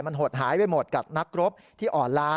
มันหดหายไปหมดกับนักรบที่อ่อนล้า